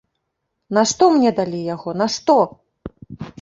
Нашто мне далі яго, нашто?